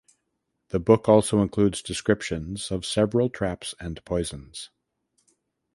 The book also includes descriptions of several traps and poisons.